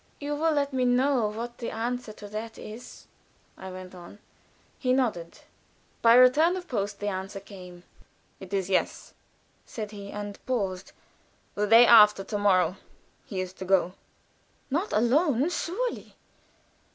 "You will let me know what the answer to that is," I went on. He nodded. By return of post the answer came. "It is 'yes,'" said he, and paused. "The day after to morrow he is to go." "Not alone, surely?"